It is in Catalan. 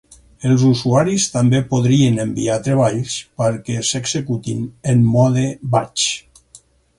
Els usuaris també podrien enviar treballs perquè s'executin en mode "batch".